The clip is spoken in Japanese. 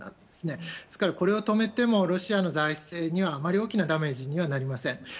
ですから、これを止めてもロシアの財政にはあまり大きなダメージにはなりません。